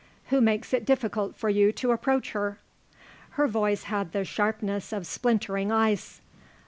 Who makes it difficult for you to approach her?" Her voice had the sharpness of splintering ice.